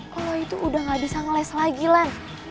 kalau itu udah gak bisa ngeles lagi lah